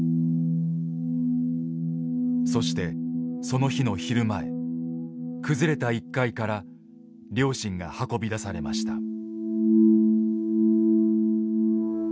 そしてその日の昼前崩れた１階から両親が運び出されました。